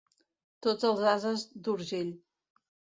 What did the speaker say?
Tots els ases d'Urgell.